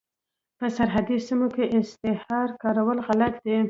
په سرحدي سیمو کې اسعار کارول غلط دي.